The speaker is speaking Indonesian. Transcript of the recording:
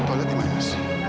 tolot dimana sih